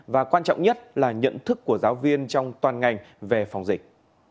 và quan trọng nhất là nhận thức của giáo viên trong toàn ngành về phòng dịch